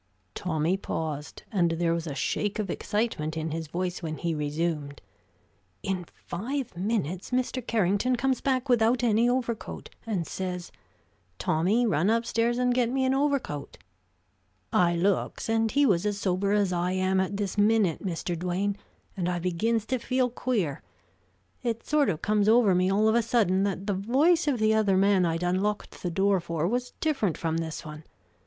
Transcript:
Tommy paused, and there was a shake of excitement in his voice when he resumed: "In five minutes Mr. Carrington comes back without any overcoat, and says, Tommy, run upstairs and get me an overcoat.' I looks, and he was as sober as I am at this minute, Mr. Duane, and I begins to feel queer. It sort of comes over me all of a sudden that the voice of the other man I'd unlocked the door for was different from this one.